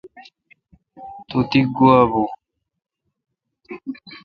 تو تی گوا بھو۔